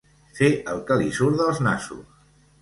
Fer el que li surt dels nassos.